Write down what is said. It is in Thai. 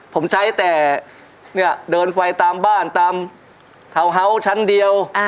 ผมใช้แต่เดินไฟตามบ้านตามทาวน์เฮาส์ชั้นเดียว